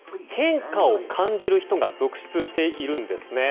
変化を感じる人が続出しているんです。